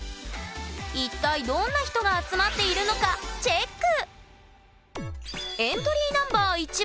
一体どんな人が集まっているのかチェック！